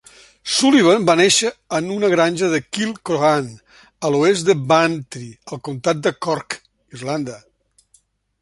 Sullivan va néixer en una granja a Kilcrohane, a l'oest de Bantry, al comtat de Cork, Irlanda.